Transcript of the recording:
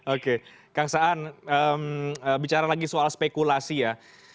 oke kang saan bicara lagi soal spekulasi ya